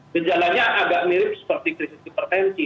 gejalanya agak mirip seperti krisis hipertensi